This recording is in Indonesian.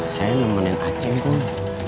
saya nemenin acing kum